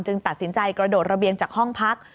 ตัดสินใจกระโดดระเบียงจากห้องพัก